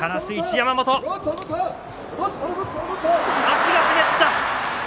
足が滑った。